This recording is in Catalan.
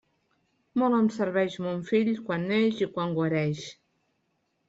Molt em serveix mon fill, quan neix i quan guareix.